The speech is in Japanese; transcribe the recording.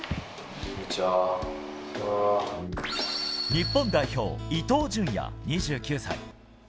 日本代表、伊東純也２９歳。